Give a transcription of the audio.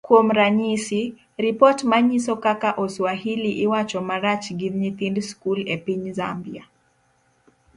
Kuom ranyisi, ripot manyiso kaka oswahili iwacho marach gi nyithind skul e piny Zambia